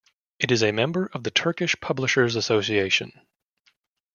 It is a member of the Turkish Publishers Association.